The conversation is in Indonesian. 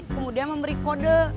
kemudian memberi kode